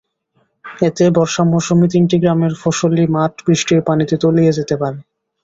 এতে বর্ষা মৌসুমে তিনটি গ্রামের ফসলি মাঠ বৃষ্টির পানিতে তলিয়ে যেতে পারে।